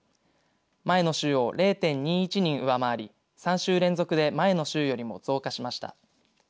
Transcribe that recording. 前の週を０．２１人上回り３週連続で、前の週よりも増加しました。